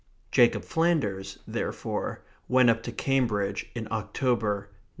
Jacob Flanders, therefore, went up to Cambridge in October, 1906.